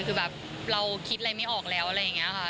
คือแบบเราคิดอะไรไม่ออกแล้วอะไรอย่างนี้ค่ะ